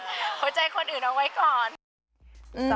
หัวใจคนอื่นเอาไว้ก่อน